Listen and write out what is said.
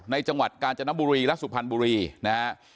จังหวัดกาญจนบุรีและสุพรรณบุรีนะฮะ